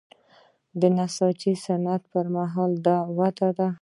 د نساجي صنعت په حال د ودې دی